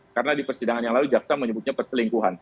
karena di persidangan yang lalu jaksa menyebutnya perselingkuhan